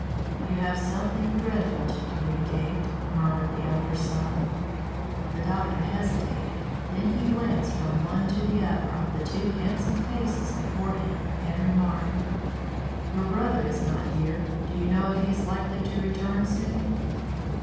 "You have something dreadful to communicate," murmured the elder son. The doctor hesitated; then he glanced from one to the other of the two handsome faces before him, and remarked: "Your brother is not here. Do you know if he is likely to return soon?"